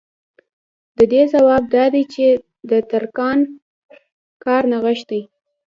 د دې ځواب دا دی چې د ترکاڼ کار نغښتی